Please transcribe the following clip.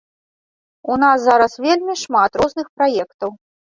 У нас зараз вельмі шмат розных праектаў.